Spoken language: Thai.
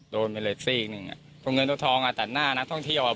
โดนไปเลยซีกหนึ่งอ่ะตัวเงินตัวทองอ่ะตัดหน้านักท่องเที่ยวอ่ะ